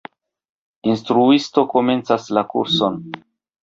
Instruisto komencas la kurson.